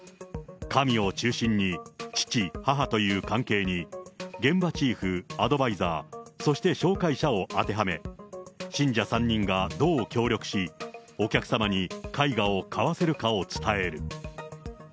神を中心に、父、母という関係に、現場チーフ、アドバイザー、そして紹介者を当てはめ、信者３人がどう協力し、お客様に絵画を買わせるかを伝える。